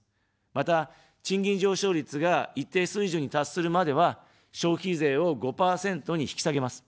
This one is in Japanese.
また、賃金上昇率が一定水準に達するまでは、消費税を５％に引き下げます。